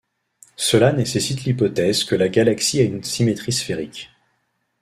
Cela nécessite l'hypothèse que la galaxie a une symétrie sphérique.